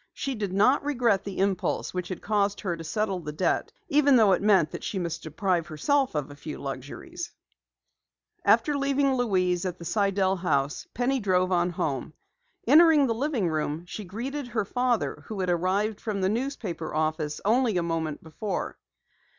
She did not regret the impulse which had caused her to settle the debt even though it meant that she must deprive herself of a few luxuries. After leaving Louise at the Sidell house, Penny drove on home. Entering the living room, she greeted her father who had arrived from the newspaper office only a moment before.